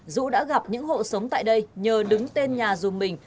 dũ đã gặp những hộ sống tại đây nhờ đứng tên nhà dùm mình